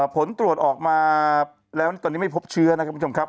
ผลตรวจออกมาแล้วตอนนี้ไม่พบเชื้อนะครับคุณผู้ชมครับ